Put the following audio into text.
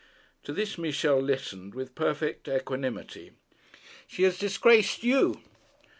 To this Michel listened with perfect equanimity. 'She has disgraced you.'